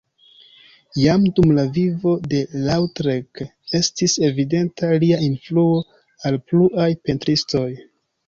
Jam dum la vivo de Lautrec estis evidenta lia influo al pluaj pentristoj.